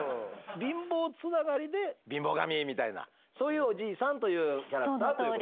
貧乏つながりで貧乏神みたいなそういうおじいさんというキャラクターということですね。